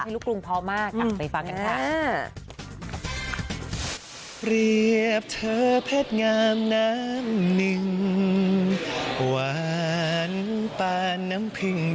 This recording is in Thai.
ลูกกรุงพอมากไปฟังกันค่ะ